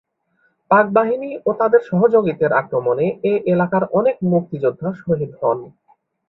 পাকবাহিনী ও তাদের সহযোগীদের আক্রমণে এ এলাকার অনেক মুক্তিযোদ্ধা শহীদ হন।